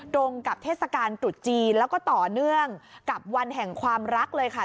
ตรงกับเทศกาลตรุษจีนแล้วก็ต่อเนื่องกับวันแห่งความรักเลยค่ะ